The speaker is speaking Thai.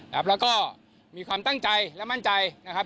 แล้วก็มีความตั้งใจและมั่นใจนะครับ